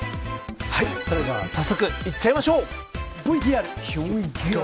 それでは早速いっちゃいましょう。